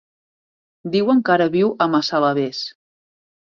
Diuen que ara viu a Massalavés.